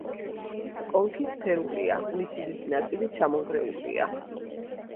კონქი სფერულია, მისი დიდი ნაწილი ჩამონგრეულია.